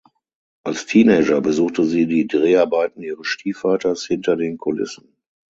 Als Teenager besuchte sie die Dreharbeiten ihres Stiefvaters hinter den Kulissen.